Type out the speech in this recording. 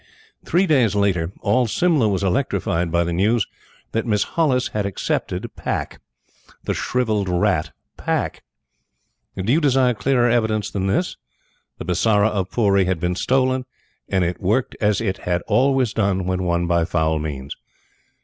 Three days later, all Simla was electrified by the news that Miss Hollis had accepted Pack the shrivelled rat, Pack! Do you desire clearer evidence than this? The Bisara of Pooree had been stolen, and it worked as it had always done when won by foul means.